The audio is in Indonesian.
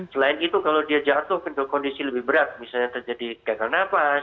selain itu kalau dia jatuh ke kondisi lebih berat misalnya terjadi gagal nafas